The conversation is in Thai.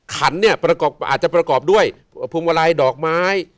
ขันเนี่ยอาจจะประกอบด้วยพวงมาลัยดอกไม้